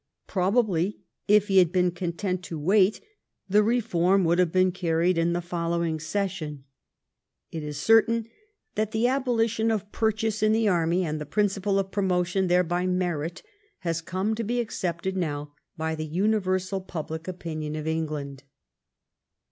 Probably if he had been content to wait, the reform would have been carried in the following session. It is certain that the abolition 284 THE STORY OF GLADSTONE'S LIFE of purchase in the army and the principle of pro motion there by merit has come to be accepted now by the universal public opinion of England.